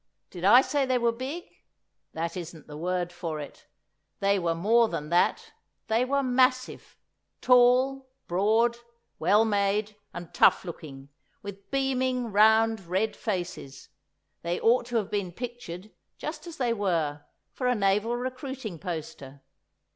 Did I say they were big? That isn't the word for it! They were more than that, they were massive; tall, broad, well made, and tough looking, with beaming, round, red faces; they ought to have been pictured, just as they were, for a naval recruiting poster.